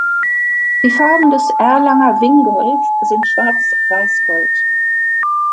Die Farben des Erlanger Wingolf sind schwarz-weiß-gold.